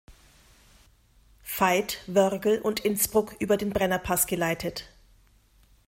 Veit, Wörgl und Innsbruck über den Brennerpass geleitet.